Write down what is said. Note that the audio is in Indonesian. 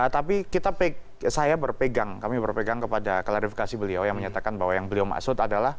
tapi saya berpegang kami berpegang kepada klarifikasi beliau yang menyatakan bahwa yang beliau maksud adalah